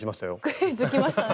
クイズきましたね。